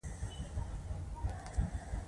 د فلمونو د جایزو په کلني جشن کې